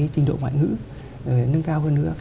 trình độ ngoại ngữ rồi nâng cao hơn nữa